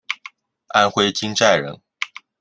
安徽金寨人。